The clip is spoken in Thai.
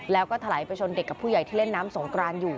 แล้วก็ถลายไปชนเด็กกับผู้ใหญ่ที่เล่นน้ำสงกรานอยู่